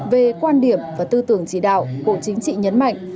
về quan điểm và tư tưởng chỉ đạo bộ chính trị nhấn mạnh